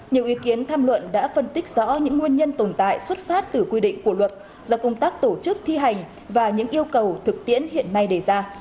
nhiều ý kiến tham luận đã phân tích rõ những nguyên nhân tồn tại xuất phát từ quy định của luật do công tác tổ chức thi hành và những yêu cầu thực tiễn hiện nay đề ra